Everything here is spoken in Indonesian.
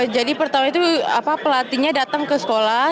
jadi pertama itu pelatihnya datang ke sekolah